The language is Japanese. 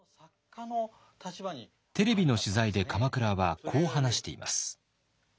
テレビの取材で鎌倉はこう話しています。